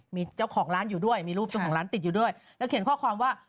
มีรูปเจ้าของร้านอยู่ด้วยแล้วเขียนข้อความว่า